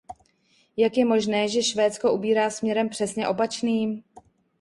Jak je možné, že se Švédsko ubírá směrem přesně opačným?